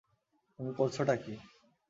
তুমি করছটা কী!